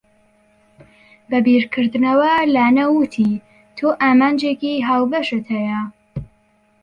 بە بیرکردنەوەوە لانە وتی، تۆ ئامانجێکی هاوبەشت هەیە.